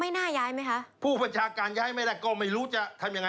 น่าย้ายไหมคะผู้บัญชาการย้ายไม่ได้ก็ไม่รู้จะทำยังไง